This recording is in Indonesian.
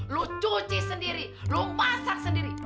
lu cuci sendiri lo masak sendiri